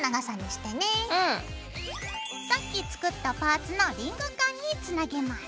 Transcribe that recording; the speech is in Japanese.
さっき作ったパーツのリングカンにつなげます。